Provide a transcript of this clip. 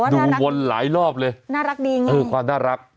วนหลายรอบเลยน่ารักดีไงเออความน่ารัก